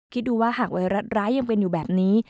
คิดดูว่าหากไวรัสร้ายยังเป็นอยู่แบบนี้